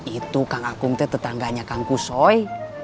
itu kang akum teh tetangganya kang kusoy